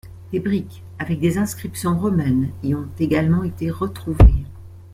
Des briques avec des inscriptions romaines y ont également été retrouvées.